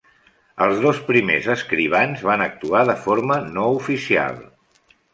Els dos primers escrivans van actuar de forma no oficial.